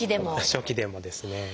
初期でもですね。